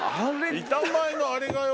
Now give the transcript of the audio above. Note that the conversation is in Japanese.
「板前のあれがよ